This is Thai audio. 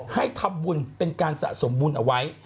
ให้ทำบุญเป็นการสะสมบุญเอาไว้